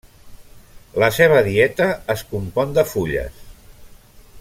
La seva dieta es compon de fulles.